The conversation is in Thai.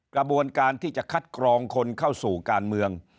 กระบวนการที่จะคัดกรองคนเข้าสู่การเมือง